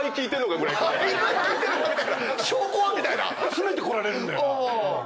詰めてこられるんだよな。